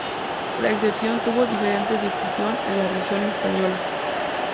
La acepción tuvo diferente difusión en las regiones españolas.